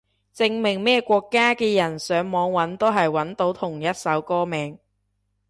證明咩國家嘅人上網搵都係搵到同一首歌名